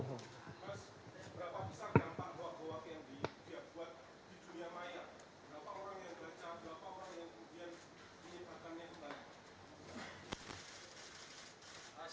mas berapa besar dampak bohak bohak yang di fiab buat di dunia maya